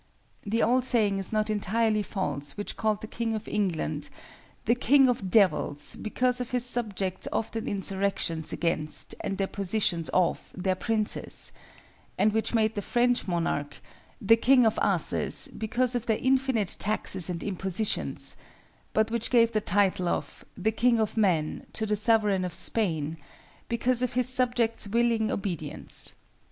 The old saying is not entirely false which called the king of England the "king of devils, because of his subjects' often insurrections against, and depositions of, their princes," and which made the French monarch the "king of asses, because of their infinite taxes and impositions," but which gave the title of "the king of men" to the sovereign of Spain "because of his subjects' willing obedience."